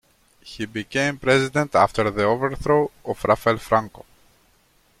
He became president after the overthrow of Rafael Franco.